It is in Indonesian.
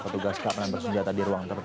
ketugas keamanan bersenjata di ruang tersebut